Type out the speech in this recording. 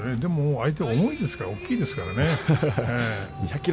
相手は重いですから大きいですからね。